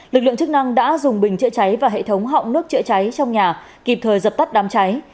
lực lượng chức năng đã dùng bình chữa cháy và hệ thống họng nước chữa cháy trong nhà kịp thời dập tắt đám cháy